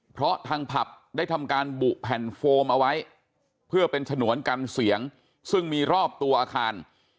เพราะทางผับได้ทำการบุแผ่นโฟมเอาไว้เพื่อเป็นฉนวนกันเสียงซึ่งมีรอบตัวอาคาร